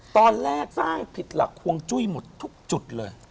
ตอนแรกสร้างผิดหลักควงจุ้ยหมดทุกจุดเลย